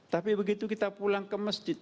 tapi begitu kita pulang ke masjid